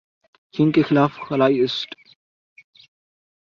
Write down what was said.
چین کے خلائی اسٹ